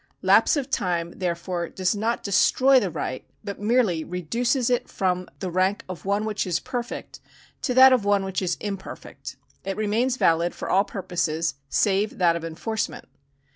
Lapse of time, therefore, does not destroy the right, but merely reduces it from the rank of one which is perfect to that of one which is imperfect. It remains valid for all purposes save that of enforcement.